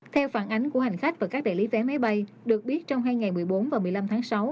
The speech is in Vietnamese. theo phản ánh của hành khách và các đại lý vé máy bay được biết trong hai ngày một mươi bốn và một mươi năm tháng sáu